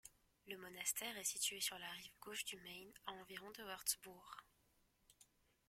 Le monastère est situé sur la rive gauche du Main à environ de Wurtzbourg.